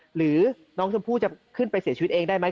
หรือน้องชมพู่จะขึ้นไปเสียชีวิตเองได้ไหม